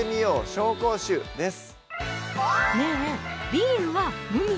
紹興酒」です